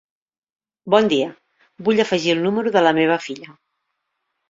Bon dia, vull afegir el número de la meva filla.